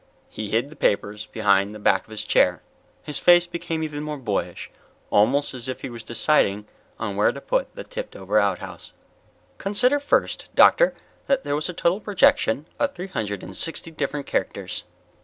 He hid the papers behind the back of his chair; his face became even more boyish, almost as if he were deciding on where to put the tipped over outhouse. "Consider first, doctor, that there was a total projection of three hundred and sixty different characters.